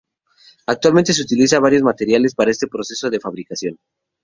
Actualmente se utilizan varios materiales para este proceso de fabricación.